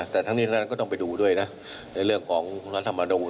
แต่ทั้งนี้ก็ต้องไปดูด้วยนะในเรื่องของรัฐธรรมนูญ